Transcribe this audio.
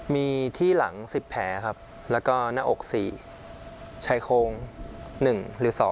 มีที่หลัง๑๐แผลครับแล้วก็หน้าอก๔ชายโครง๑หรือ๒